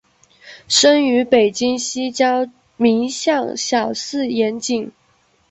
生于北京西郊民巷小四眼井。